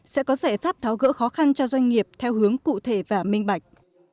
sẽ có giải pháp tháo gỡ khó khăn cho doanh nghiệp theo hướng cụ thể và minh bạch